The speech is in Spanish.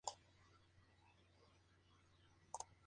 Una es liberal y la otra conservadora.